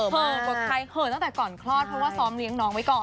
กว่าใครเหอะตั้งแต่ก่อนคลอดเพราะว่าซ้อมเลี้ยงน้องไว้ก่อน